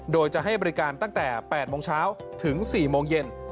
โดยจะให้บริการตั้งแต่๘โมงเช้าถึง๔โมงเย็น